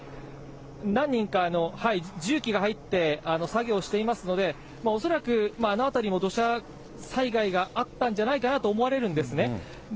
何人か、重機が入って、作業していますので、恐らくあの辺りも土砂災害があったんじゃないかなと思われるんですね。